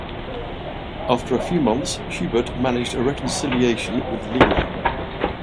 After a few months, Hubert managed a reconciliation with Leila.